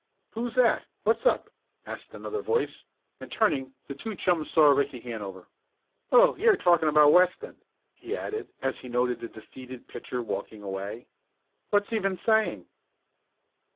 "Who's that? What's up?" asked another voice, and, turning, the two chums saw Ricky Hanover. "Oh, you're talking about Weston," he added, as he noted the defeated pitcher walking away. "What's he been saying?"